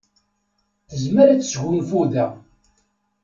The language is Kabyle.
Tezmer ad tesgunfu da.